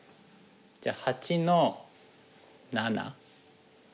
じゃあ８の七。